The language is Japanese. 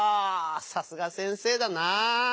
さすが先生だなぁ！